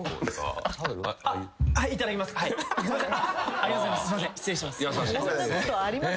ありがとうございます。